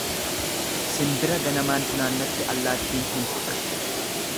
Simbira ganamaan funaannatte allaattiin hin fudhattu.